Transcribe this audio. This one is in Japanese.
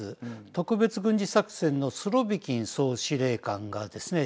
特別軍事作戦のスロビキン総司令官がですね